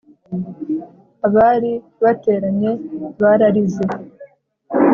Abari bateranye bararize .